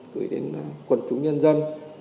gửi đến quần chúng nhân dân